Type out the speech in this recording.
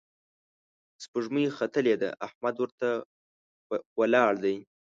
سپوږمۍ ختلې ده، احمد ورته ولياړ دی